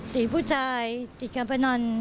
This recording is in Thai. ดิกับผู้ชายดิกับกำไรฟะนั้น